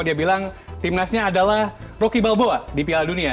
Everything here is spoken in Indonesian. dia bilang timnasnya adalah rocky balboa di piala dunia